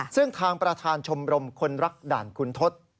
ซึ่งทางประธานชมรมคนรักด่านคุณทศ